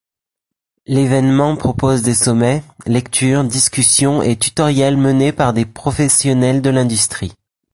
L'évènement propose des sommets, lectures, discussions et tutoriels menés par des professionnels de l'industrie.